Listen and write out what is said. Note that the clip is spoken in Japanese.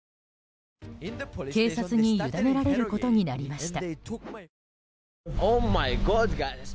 警察に委ねられることになりました。